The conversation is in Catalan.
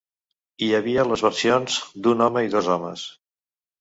Hi havia les versions d'un home i dos homes.